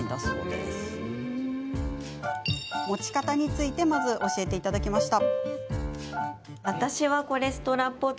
まず持ち方について教えていただきました。